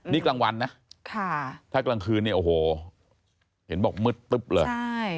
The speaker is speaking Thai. นี่กลางวันนะถ้ากลางคืนเนี่ยโอ้โหเห็นบอกมืดตึ๊บเลย